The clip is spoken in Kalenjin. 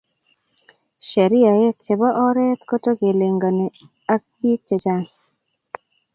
Sheriaek chebo oret kotokelengani ak bik chechang.